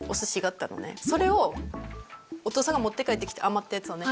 それをお父さんが持って帰ってきて余ったやつをね